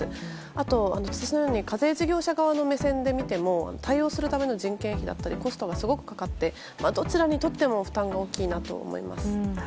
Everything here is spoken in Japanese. あと、私のように課税事業者側の目線から見ても対応するための人件費だったりコストがすごくかかってどちらにとっても負担が大きいなと思います。